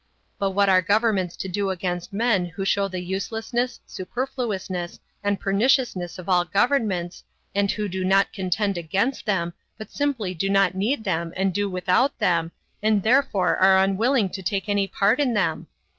But what are governments to do against men who show the uselessness, superfluousness, and perniciousness of all governments, and who do not contend against them, but simply do not need them and do without them, and therefore are unwilling to take any part in them?